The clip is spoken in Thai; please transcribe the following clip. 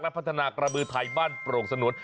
พัฒนากระบือไทยบ้านโปร่งสนวน